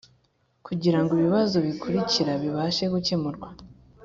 kugira ngo ibibazo bikurikira bibashe gukemurwa